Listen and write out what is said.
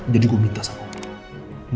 jadi gue minta sama orang